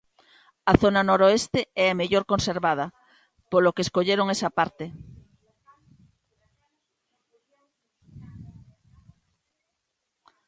A zona noroeste é a mellor conservada, polo que escolleron esa parte.